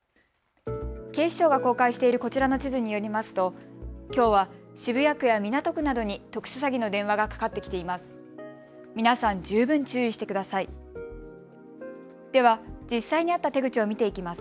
警視庁が公開しているこちらの地図によりますときょうは渋谷区や港区などに特殊詐欺の電話がかかってきています。